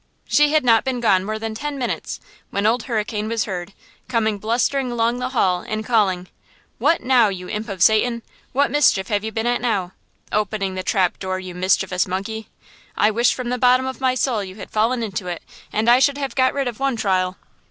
She had not been gone more than ten minutes, when Old Hurricane was heard, coming blustering along the hall and calling: "What now, you imp of Satan? What mischief have you been at now? Opening the trap door, you mischievous monkey! I wish from the bottom of my soul you had fallen into it, and I should have got rid of one trial!